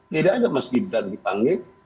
tidak ada mas gibran dipanggil